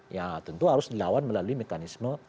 ya tentu harus dilawan melalui mekanisme